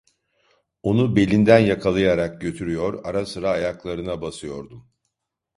Onu belinden yakalayarak götürüyor, ara sıra ayaklarına basıyordum.